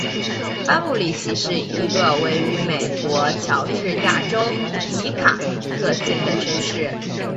班布里奇是一个位于美国乔治亚州迪卡特县的城市。